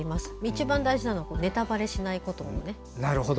一番大事なのはネタばれしないことです。